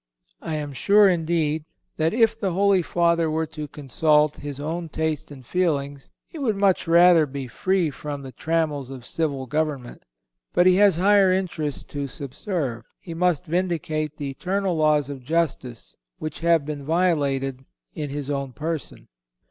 I am sure, indeed, that if the Holy Father were to consult his own taste and feelings, he would much rather be free from the trammels of civil government. But he has higher interests to subserve. He must vindicate the eternal laws of justice which have been violated in his own person.